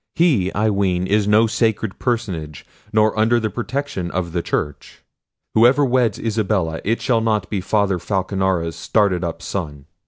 He, I ween, is no sacred personage, nor under the protection of the Church. Whoever weds Isabella, it shall not be Father Falconara's started up son."